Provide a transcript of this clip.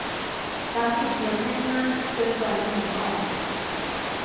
ฝาปิดเหยือกแน่นมากเกินกว่าจะหมุนออก